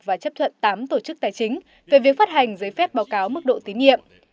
và chấp thuận tám tổ chức tài chính về việc phát hành giấy phép báo cáo mức độ tín nhiệm